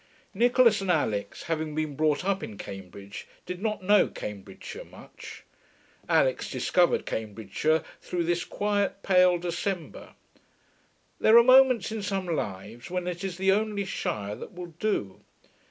Nicholas and Alix, having been brought up in Cambridge, did not know Cambridgeshire much. Alix discovered Cambridgeshire, through this quiet, pale December. There are moments in some lives when it is the only shire that will do.